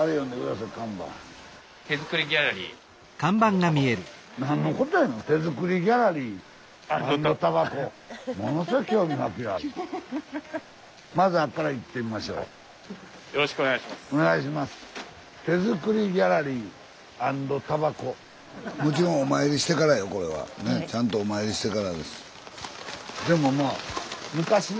スタジオねっちゃんとお参りしてからです。